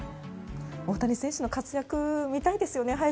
大谷選手の活躍見たいですよね。